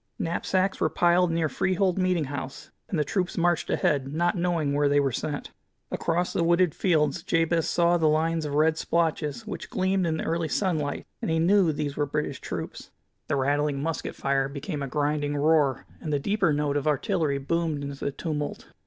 Knapsacks were piled near Freehold meeting house, and the troops marched ahead, not knowing where they were sent. Across the wooded fields Jabez saw the lines of red splotches which gleamed in the early sunlight, and he knew these were British troops. The rattling musket fire became a grinding roar, and the deeper note of artillery boomed into the tumult.